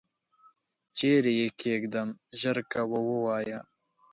چیري یې کښېږدم ؟ ژر کوه ووایه !